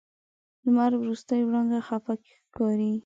د لمر وروستۍ وړانګه خفه ښکاري